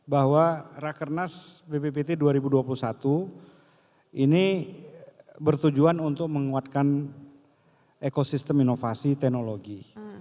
bahwa rakernas bppt dua ribu dua puluh satu ini bertujuan untuk menguatkan ekosistem inovasi teknologi